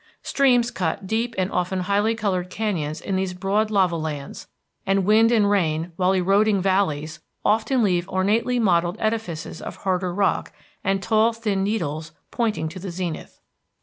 Streams cut deep and often highly colored canyons in these broad lava lands, and wind and rain, while eroding valleys, often leave ornately modelled edifices of harder rock, and tall thin needles pointing to the zenith.